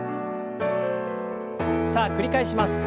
さあ繰り返します。